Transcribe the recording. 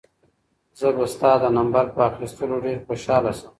زه به ستا د نمبر په اخیستلو ډېر خوشحاله شم.